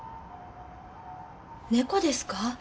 猫ですか？